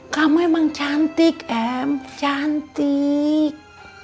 kamu emang cantik em cantik